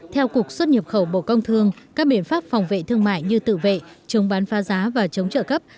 theo cục xuất nhập khẩu bộ công thương các biện pháp phòng vệ thương mại như tự vệ chống bán pha giá và chống trợ cấp